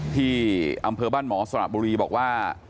ที่อำเภอบ้านหมอสระบุรีบอกว่า